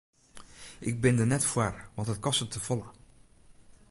Ik bin der net foar want it kostet te folle.